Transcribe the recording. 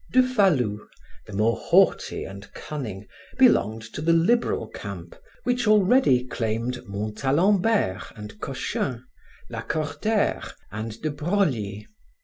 De Falloux, the more haughty and cunning, belonged to the liberal camp which already claimed Montalembert and Cochin, Lacordaire and De Broglie.